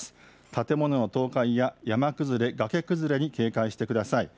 建物の倒壊や山崩れ、崖崩れに警戒してください。